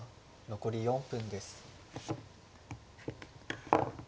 残り４分です。